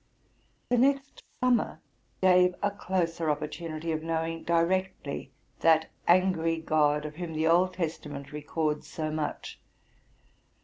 The next summer gave a closer opportunity of knowing directly that angry God, of whom the Old Testament records so much.